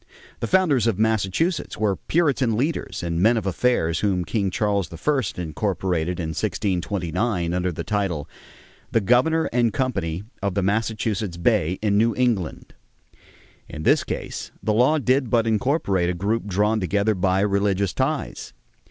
The founders of Massachusetts were Puritan leaders and men of affairs whom King Charles I incorporated in 1629 under the title: "The governor and company of the Massachusetts Bay in New England." In this case the law did but incorporate a group drawn together by religious ties.